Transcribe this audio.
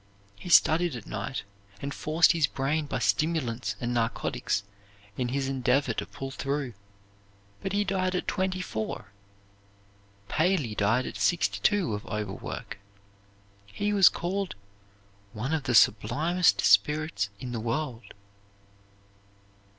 He studied at night and forced his brain by stimulants and narcotics in his endeavor to pull through, but he died at twenty four. Paley died at sixty two of overwork. He was called "one of the sublimest spirits in the world."